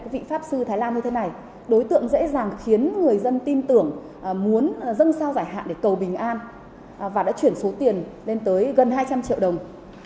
cầu bình an thành phố hà nội đã chuyển số tiền lên tới gần hai trăm linh triệu đồng